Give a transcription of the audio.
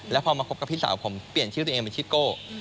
แล้วพอมาคบกับพี่สาวผมเปลี่ยนชื่อตัวเองเป็นชื่อโก้